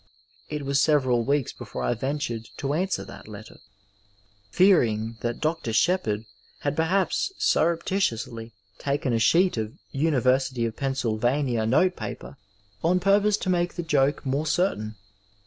It was several weeks before I ventured to answer that letter, fear ing that Dr. Shepherd had perhaps surreptitiously taken a sheet of University of Pennsylvania notepaper on purpose to make the joke more certain.